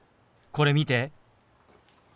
これ見て。